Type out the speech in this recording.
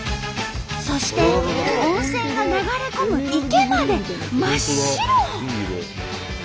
そして温泉が流れ込む池まで真っ白！